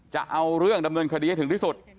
จะเอาเรื่องดำเนินคดีให้ถึงที่สุด